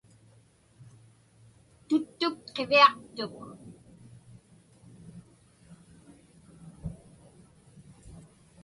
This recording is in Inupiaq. Tuttuk qiviaqtuk.